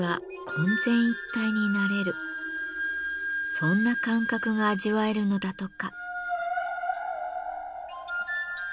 そんな感覚が味わえるのだとか。